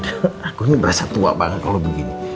aku ini berasa tua banget kalau begini